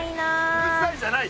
うるさいじゃない！